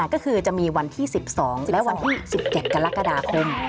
ก็คือจะมีวันที่๑๒และวันที่๑๗กรกฎาคม